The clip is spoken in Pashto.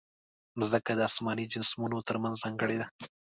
مځکه د اسماني جسمونو ترمنځ ځانګړې ده.